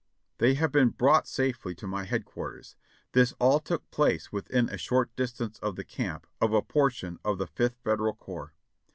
They have been brought safely to my head quarters. This all took place within a short distance of the camp of a portion of the Fifth Federal Corps.